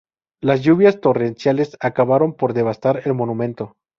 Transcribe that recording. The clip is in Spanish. Las lluvias torrenciales acabaron por devastar el monumento.